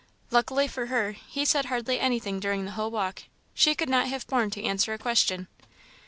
Luckily for her, he said hardly anything during the whole walk; she could not have borne to answer a question.